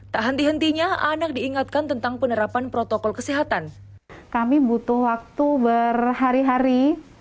tak henti hentinya anak diingatkan tentang penerapan protokol kesehatan kami butuh waktu berhari hari